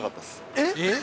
えっ？